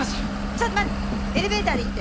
ちょ待ってエレベーターで行って！